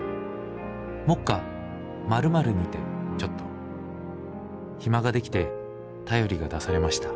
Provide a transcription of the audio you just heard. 目下○○にてちょっと暇が出来て便りが出されました」。